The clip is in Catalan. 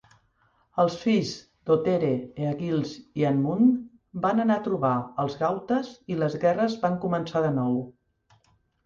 Els fills d'Ohthere Eagils i Eanmund van anar a trobar els gautes i les guerres van començar de nou.